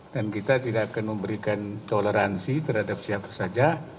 dan kita tidak akan memberikan toleransi terhadap siapa saja